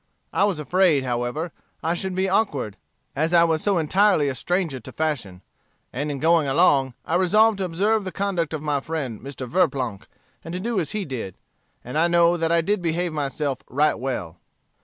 I was afraid, however, I should be awkward, as I was so entirely a stranger to fashion; and in going along, I resolved to observe the conduct of my friend Mr. Verplanck, and to do as he did. And I know that I did behave myself right well."